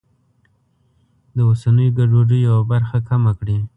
د اوسنیو ګډوډیو یوه برخه کمه کړي.